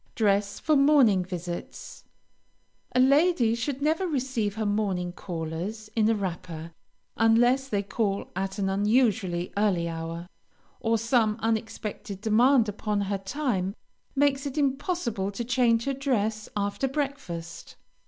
DRESS FOR MORNING VISITS A lady should never receive her morning callers in a wrapper, unless they call at an unusually early hour, or some unexpected demand upon her time makes it impossible to change her dress after breakfast.